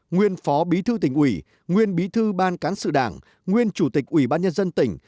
nguyên phó bí thư tỉnh ủy nguyên bí thư ban cán sự đảng nguyên chủ tịch ủy ban nhân dân tỉnh